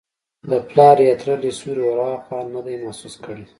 د پلار یا تره له سیوري وراخوا نه دی محسوس کړی.